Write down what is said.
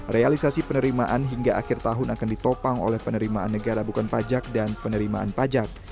realisasi penerimaan hingga akhir tahun akan ditopang oleh penerimaan negara bukan pajak dan penerimaan pajak